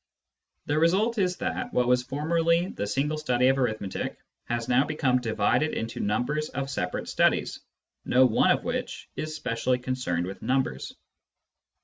The result is that what was formerly the single study of Arithmetic has now become divided into numbers of separate studies, no one of which is specially concerned with numbers.